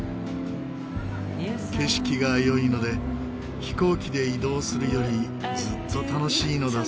景色が良いので飛行機で移動するよりずっと楽しいのだそうです。